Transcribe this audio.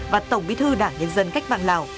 và tổng bí thư đảng nhân dân cách mạng lào